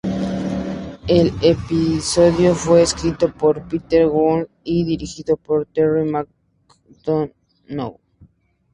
El episodio fue escrito por Peter Gould y dirigido por Terry McDonough.